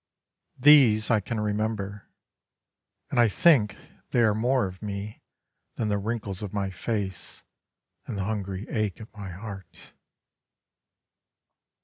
These I can remember, And I think they are more of me Than the wrinkles on my face and the hungry ache at my heart.